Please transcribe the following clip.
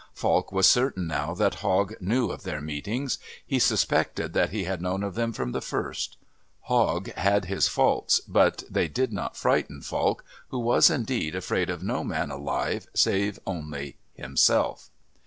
Falk was certain now that Hogg knew of their meetings; he suspected that he had known of them from the first. Hogg had his faults but they did not frighten Falk, who was, indeed, afraid of no man alive save only himself.